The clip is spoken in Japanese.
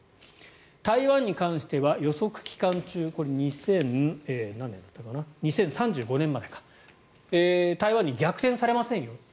台湾に関しては予測期間中これは２０３５年までですが台湾に逆転されませんよ